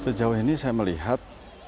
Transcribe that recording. sejauh ini saya melihat